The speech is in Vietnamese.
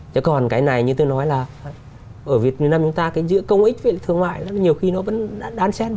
chứ còn cái này như tôi nói là ở việt nam chúng ta cái giữa công ích với thương mại nó nhiều khi nó vẫn đáng xem